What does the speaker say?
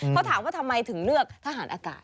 เขาถามว่าทำไมถึงเลือกทหารอากาศ